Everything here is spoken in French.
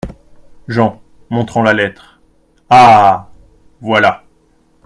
Jean, montrant la lettre. — Ah ! voilà !…